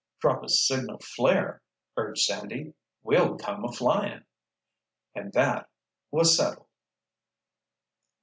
"Drop a signal flare," urged Sandy. "We'll come a flying!" And that was settled!